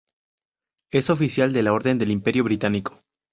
Es oficial de la Orden del Imperio Británico.